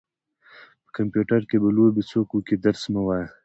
په کمپيوټر کې به لوبې څوک وکي درس مه وايه.